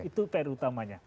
itu pr utamanya